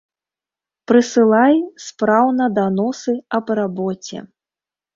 Прысылай спраўна даносы аб рабоце.